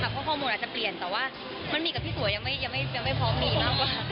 เพราะว่าฮอร์โมนอาจจะเปลี่ยนแต่ว่ามีกับพี่สวยยังไม่พร้อมมีมาก